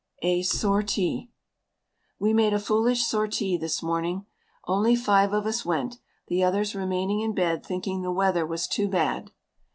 A SORTIE We made a foolish sortie this morning. Only five of us went, the others remaining in bed thinking the weather was too bad.